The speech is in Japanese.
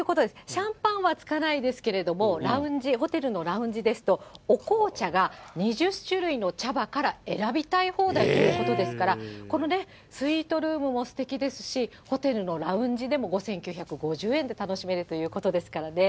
シャンパンはつかないですけれども、ラウンジ、ホテルのラウンジですと、お紅茶が２０種類の茶葉から選びたい放題ということですから、このね、スイートルームもすてきですし、ホテルのラウンジでも５９５０円で楽しめるということですからね。